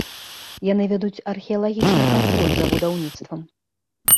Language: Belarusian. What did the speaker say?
Яны вядуць археалагічны кантроль за будаўніцтвам.